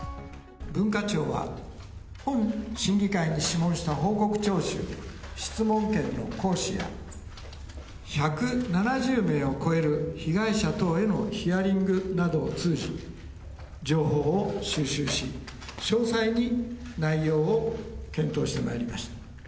文化庁は、本審議会に諮問した報告聴取、質問権の行使や、１７０名を超える被害者等へのヒアリングなどを通じ、情報を収集し、詳細に内容を検討してまいりました。